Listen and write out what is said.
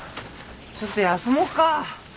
ちょっと休もうか。